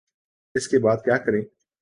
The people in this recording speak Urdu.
اس کے بعد کیا کریں؟